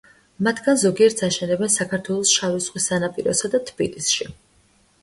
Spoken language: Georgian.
მათგან ზოგიერთს აშენებენ საქართველოს შავი ზღვის სანაპიროსა და თბილისში.